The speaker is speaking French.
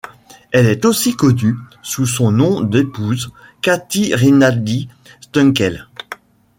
Elle est aussi connue sous son nom d'épouse, Kathy Rinaldi-Stunkel.